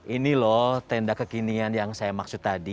ini loh tenda kekinian yang saya maksud tadi